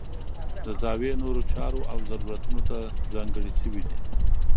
د زاویې نورو چارو او ضرورتونو ته ځانګړې شوي دي.